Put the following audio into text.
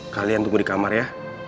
kalian tunggu di kamar ya